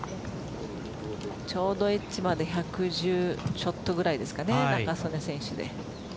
ちょうどエッジまで１１０ちょっとぐらいですかね。